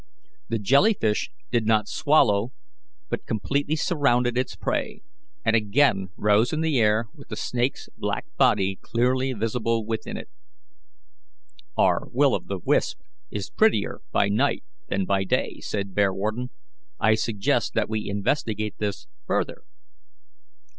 The jellyfish did not swallow, but completely surrounded its prey, and again rose in the air, with the snake's black body clearly visible within it. "Our Will o' the wisp is prettier by night than by day," said Bearwarden. "I suggest that we investigate this further."